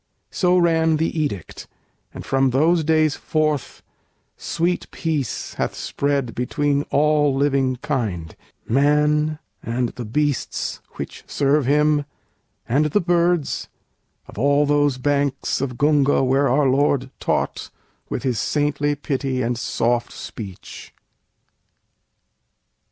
So ran the edict, and from those days forth Sweet peace hath spread between all living kind, Man and the beasts which serve him, and the birds, Of all those banks of Gunga where our Lord Taught with his saintly pity and soft speech.